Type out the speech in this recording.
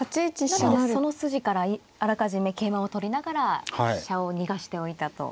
なのでその筋からあらかじめ桂馬を取りながら飛車を逃がしておいたと。